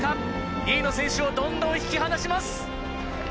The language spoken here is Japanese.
２位の選手をどんどん引き離します。